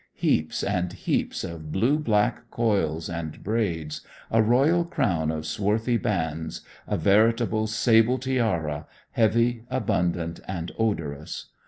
Heaps and heaps of blue black coils and braids, a royal crown of swarthy bands, a veritable sable tiara, heavy, abundant and odorous.